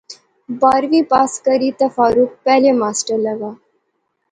بارہویں پاس کری تے فاروق پہلے ماسٹر لاغا